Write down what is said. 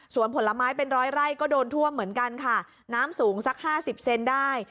ส่วนผลไม้เป็นร้อยไร่ก็โดนท่วมเหมือนกันค่ะน้ำสูงสักห้าสิบเซนได้